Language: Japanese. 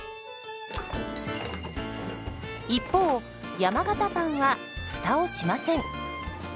一方山型パンはフタをしません。